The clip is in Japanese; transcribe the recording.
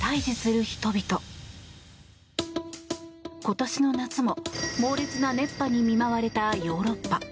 今年の夏も、猛烈な熱波に見舞われたヨーロッパ。